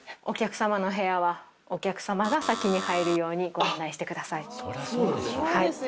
お客様のお部屋はお客様が先に入るようにご案内してください。